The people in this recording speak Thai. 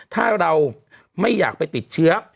ถ้าเราไม่อยากไปติดเชื้อ